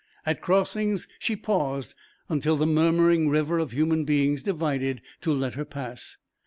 At crossings she paused until the murmuring river of human beings divided to let her pass.